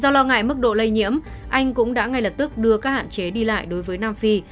do lo ngại mức độ lây nhiễm anh cũng đã ngay lập tức đưa các hạn chế đi lại đối với nam phi